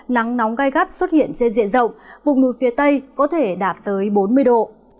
nắng nóng gai gắt xuất hiện trên diện rộng vùng núi phía tây có thể đạt tới bốn mươi độ